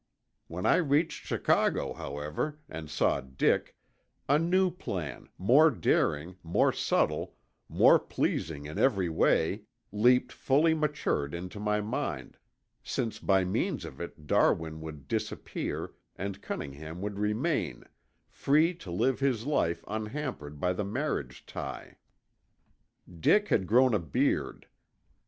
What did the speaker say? "When I reached Chicago, however, and saw Dick, a new plan, more daring, more subtle, more pleasing in every way leapt fully matured into my mind, since by means of it Darwin would disappear and Cunningham would remain, free to live his life unhampered by the marriage tie. "Dick had grown a beard.